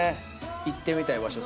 行ってみたい場所。